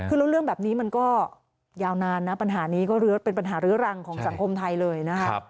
คือเรื่องแบบนี้มันจากเนื้อแล้วเป็นปัญหาเลื้อรังในสังคมไทยเลยนะครับ